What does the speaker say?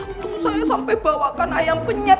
untung saya sampai bawakan ayam penyet